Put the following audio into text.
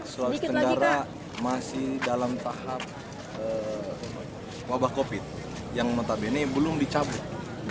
sulawesi tenggara masih dalam tahap wabah covid yang notabene belum dicabut